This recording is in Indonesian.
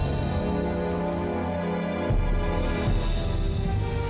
dia harus mencari penyembuhan